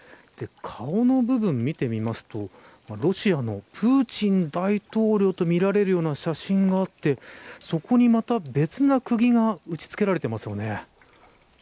顔の部分、見てみますとロシアのプーチン大統領と見られるような写真があってそこに、また別のくぎが打ち付けられていますね。